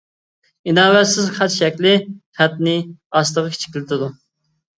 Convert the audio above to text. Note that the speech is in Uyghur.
ئىناۋەتسىز خەت شەكلى خەتنى ئاستىغا كىچىكلىتىدۇ.